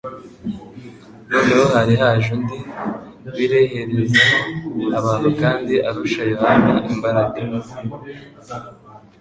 noneho hari haje undi wireherezaho abantu kandi arusha Yohana imbaraga.